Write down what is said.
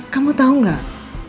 kamu tau gak